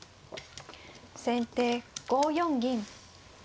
先手５四銀。